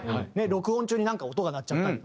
録音中になんか音が鳴っちゃったら。